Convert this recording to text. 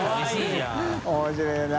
面白いな。